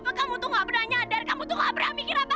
kok kamu tuh gak pernah nyadar kamu tuh gak pernah mikir apa